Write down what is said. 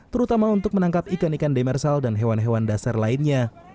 terutama untuk menangkap ikan ikan demersal dan hewan hewan dasar lainnya